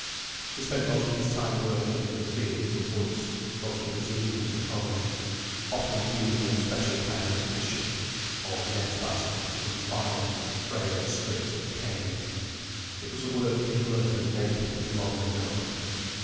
He spent most of his time working in the fields and woods, most of his evenings at home, often weaving a special kind of fishnet or net basket from fine, frail strips of cane. It was a work he had learned at Naples long ago.